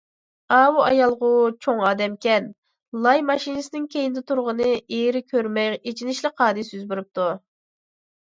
ئاۋۇ ئايالغۇ چوڭ ئادەمكەن لاي ماشىنىسىنىڭ كەينىدە تۇرغىنىنى ئېرى كۆرمەي ئېچىنىشلىق ھادىسە يۈز بېرىپتۇ.